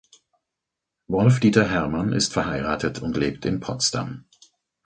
Wolf-Dieter Herrmann ist verheiratet und lebt in Potsdam.